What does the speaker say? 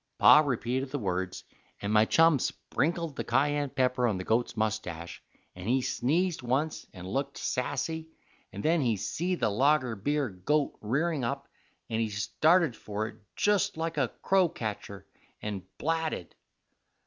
"Pa repeated the words, and my chum sprinkled the kyan pepper on the goat's mustache, and he sneezed once and looked sassy, and then he see the lager beer goat rearing up, and he started for it just like a crow catcher, and blatted.